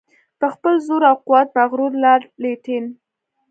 په خپل زور او قوت مغرور لارډ لیټن.